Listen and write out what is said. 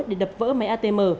để đập vỡ máy atm